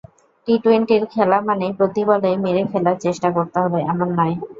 টি-টোয়েন্টির খেলা মানেই প্রতি বলেই মেরে খেলার চেষ্টা করতে হবে, এমন নয়।